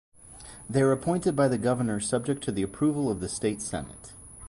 They are appointed by the Governor subject to the approval of the state Senate.